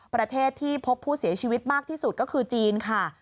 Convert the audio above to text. ประเทศที่พบผู้เสียชีวิตมากที่สุดก็คือจีนค่ะ